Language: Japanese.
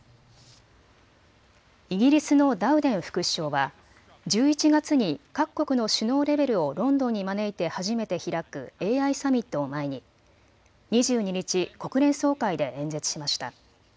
イギリスのダウデン副首相は１１月に各国の首脳レベルをロンドンに招いて初めて開くＡＩサミットを前に２２日、国連総会で演説しました。